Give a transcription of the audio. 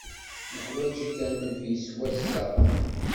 Neḥwaǧ-ik a nnbi s wass-a!